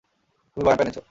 তুমি বয়ামটা এনেছ।